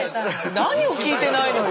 何を聞いてないのよ。